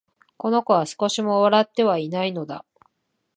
この子は、少しも笑ってはいないのだ